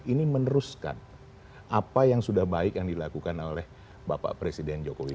ini meneruskan apa yang sudah baik yang dilakukan oleh bapak presiden jokowi